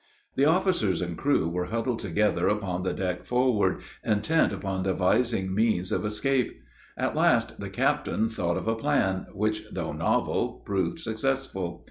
The officers and crew were huddled together upon the deck forward, intent upon devising means of escape; at last the captain thought of a plan, which, though novel, proved successful.